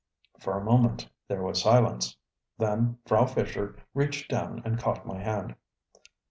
For a moment there was silence. Then Frau Fischer reached down and caught my hand.